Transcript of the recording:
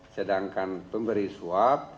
sedangkan pemberi suap